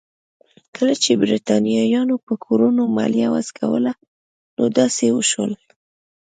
کله چې برېټانویانو په کورونو مالیه وضع کوله نو داسې وشول.